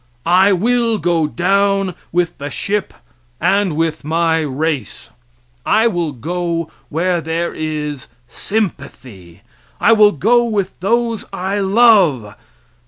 I will go down with the ship and with my race. I will go where there is sympathy. I will go with those I love.